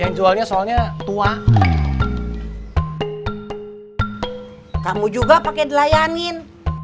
yang jualnya soalnya tua kamu juga pakai dilayanin